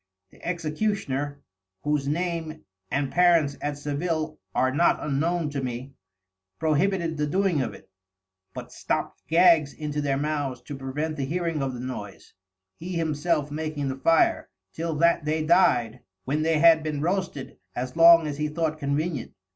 The Executioner (whose Name and Parents at Sevil are not unknown to me) prohibited the doing of it; but stopt Gags into their Mouths to prevent the hearing of the noise (he himself making the Fire) till that they dyed, when they had been roasted as long as he thought convenient.